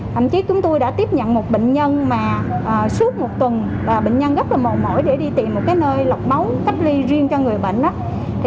thậm chí chúng tôi đã tiếp nhận một bệnh nhân mà suốt một tuần và bệnh nhân rất là mầu mỏi để đi tìm một nơi lọc máu cách ly riêng cho người bệnh